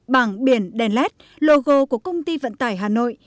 bảng biển đèn led logo của công ty vận tải hà nội